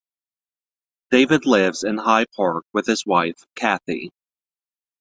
David lives in High Park with his wife Cathy.